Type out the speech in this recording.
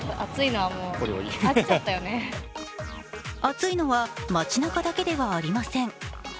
暑いのは街なかだけではありません。